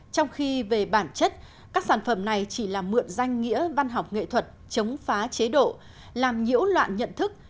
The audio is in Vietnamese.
trong khi về bản chất các sản phẩm này chỉ là mượn danh nghĩa văn học nghệ thuật chống phá chế độ làm nhiễu loạn nhận thức